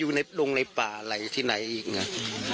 อยู่ในโดงในป่าอะไรที่ไหนอีกนะ